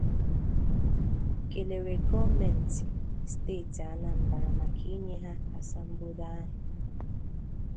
kèlère gọọmenti steeti Anambra maka inye ha asambodo ahụ